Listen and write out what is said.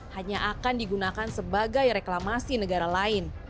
hanya akan digunakan sebagai reklamasi negara lain